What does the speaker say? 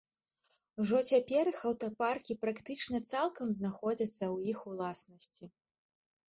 Ужо цяпер іх аўтапаркі практычна цалкам знаходзяцца ў іх уласнасці.